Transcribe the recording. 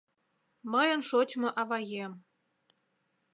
«Мыйын шочмо аваем!